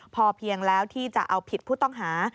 พอเพียงแล้วที่จะเอาผิดผู้ต้องหา